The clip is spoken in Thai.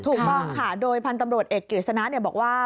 ถูกบอกค่ะโดยพันธ์ตำรวจเอกกิษณะเนี่ยบอกว่า